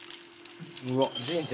うわっ人生